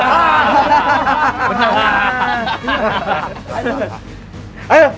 ah bagus banget